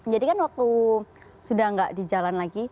jadi kan waktu sudah gak di jalan lagi